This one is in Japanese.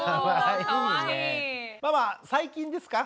ママ最近ですか？